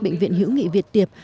bệnh viện hữu nghị việt tiệp